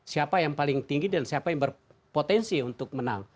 siapa yang paling tinggi dan siapa yang berpotensi untuk menang